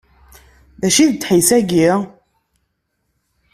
D acu d ddḥis-ayi?